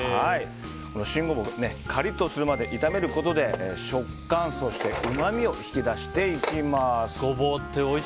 新ゴボウカリッとするまで炒めることで食感、そしてうまみを引き出していきます。